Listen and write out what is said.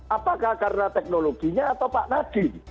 apakah karena teknologinya atau pak nadiem